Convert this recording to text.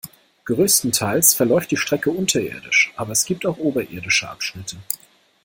Größtenteils verläuft die Strecke unterirdisch, aber es gibt auch oberirdische Abschnitte.